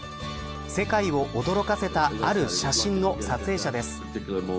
世界を驚かせた、ある写真の撮影者です。